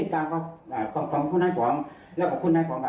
แล้วเบาไปอุ้นซ่อนเขาต้องควรคันเนี๊ะ